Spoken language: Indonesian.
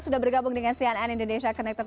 sudah bergabung dengan cnn indonesia connected